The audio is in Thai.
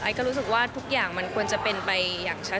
ก็รู้สึกว่าทุกอย่างมันควรจะเป็นไปอย่างชัด